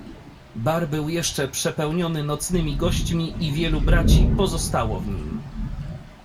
"Bar był jeszcze przepełniony nocnymi gośćmi i wielu braci pozostało w nim."